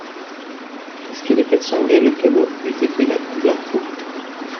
Risquer de faire sombrer le canot eût été l'acte d'un fou.